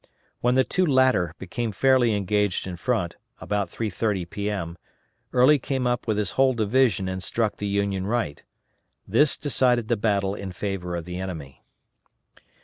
When the two latter became fairly engaged in front, about 3.30 P.M., Early came up with his whole division and struck the Union right. This decided the battle in favor of the enemy.